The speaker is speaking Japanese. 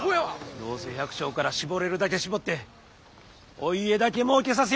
どうせ百姓から搾れるだけ搾ってお家だけもうけさせようとしてんねや。